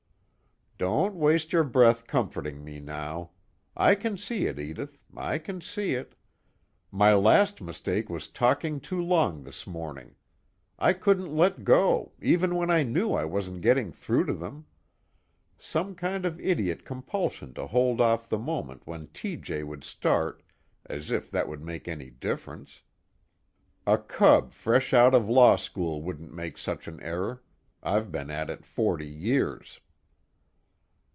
"Don't waste your breath comforting me now. I can see it, Edith, I can see it. My last mistake was talking too long this morning. I couldn't let go, even when I knew I wasn't getting through to them. Some kind of idiot compulsion to hold off the moment when T.J. would start as if that could make any difference. A cub fresh out of law school wouldn't make such an error I've been at it forty years."